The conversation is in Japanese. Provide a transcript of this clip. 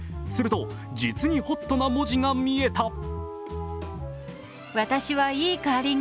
すると、実にホットな文字が見えた。